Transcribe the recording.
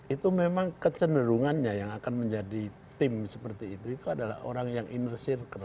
itu memang kecenderungannya yang akan menjadi tim seperti itu itu adalah orang yang inner circle